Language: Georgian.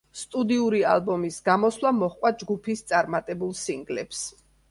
სტუდიური ალბომის გამოსვლა მოჰყვა ჯგუფის წარმატებულ სინგლებს.